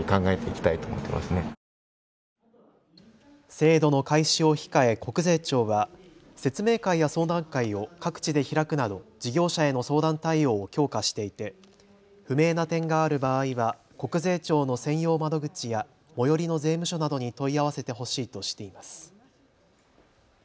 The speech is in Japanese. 制度の開始を控え国税庁は説明会や相談会を各地で開くなど事業者への相談対応を強化していて不明な点がある場合は国税庁の専用窓口や最寄りの税務署などに問い合わせてほしいとしています。